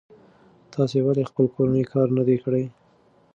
تاسې ولې خپل کورنی کار نه دی کړی؟